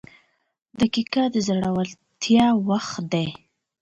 • دقیقه د زړورتیا وخت دی.